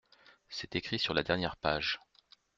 C’est écrit sur la dernière page.